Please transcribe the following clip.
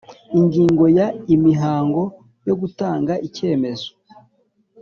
Ingingo ya Imihango yo gutanga icyemezo